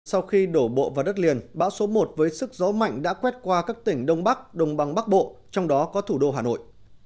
sau khi đổ bộ vào đất liền bão số một với sức gió mạnh đã quét qua các tỉnh đông bắc đông băng bắc bộ trong đó có thủ đô hà nội